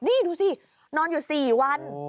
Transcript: นี่ดูสินอนอยู่๔วัน